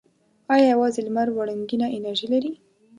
آیا یوازې لمر وړنګینه انرژي لري؟